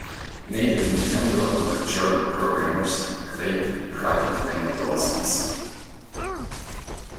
Neither Nintendo, nor the German programmers claim to be privy to any lawsuits.